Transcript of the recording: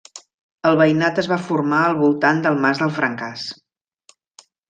El veïnat es va formar al voltant del mas del Francàs.